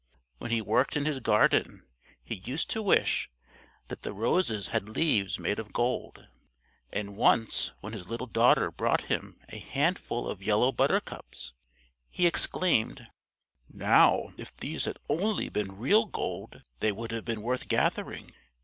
When he worked in his garden, he used to wish that the roses had leaves made of gold, and once when his little daughter brought him a handful of yellow buttercups, he exclaimed, "Now if these had only been real gold they would have been worth gathering."